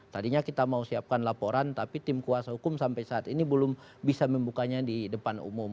tadinya kita mau siapkan laporan tapi tim kuasa hukum sampai saat ini belum bisa membukanya di depan umum